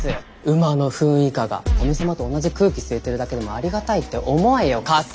馬のフン以下が古見様と同じ空気吸えてるだけでもありがたいって思えよカス。